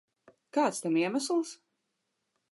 Kāds tam iemesls?